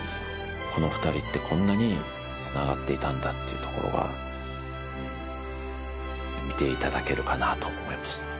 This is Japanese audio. この２人ってこんなにつながっていたんだっていうところが見ていただけるかなと思います